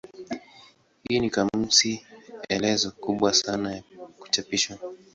Hii ni kamusi elezo kubwa sana ya kuchapishwa.